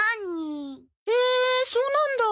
へえそうなんだ。